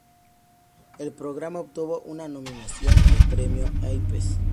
El programa obtuvo una nominación al Premio Apes.